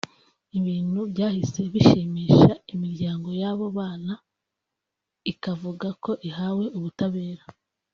ibintu byahise bishimisha imiryango yabo bana ikavuga ko ihawe ubutabera